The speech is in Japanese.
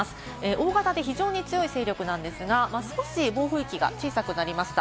大型で非常に強い勢力なんですが、少し暴風域が小さくなりました。